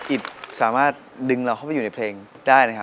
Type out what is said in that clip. อิตสามารถดึงเราเข้าไปอยู่ในเพลงได้